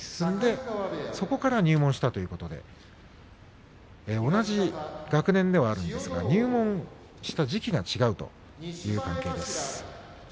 そこから入門したということで同じ学年ではあるんですが入門した時期が違うという関係です。